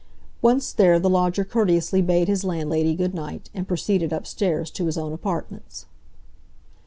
Once there, the lodger courteously bade his landlady good night, and proceeded upstairs to his own apartments.